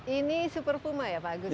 ini super puma ya pak agus